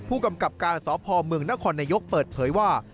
ผู้กำกับการสพเมืองนครนายกเปิดเผยว่า